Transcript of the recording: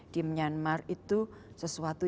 di myanmar itu sesuatu